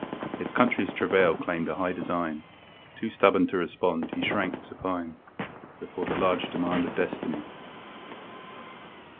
His country's travail claimed a high design; Too stubborn to respond, he shrank supine Before the large demand of destiny.